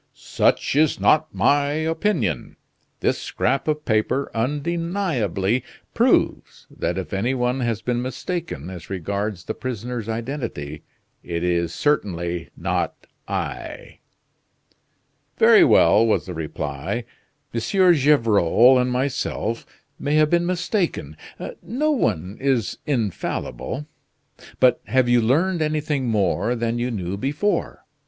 "Such is not my opinion. This scrap of paper undeniably proves that if any one has been mistaken as regards the prisoner's identity, it is certainly not I." "Very well," was the reply. "M. Gevrol and myself may have been mistaken: no one is infallible. But have you learned anything more than you knew before?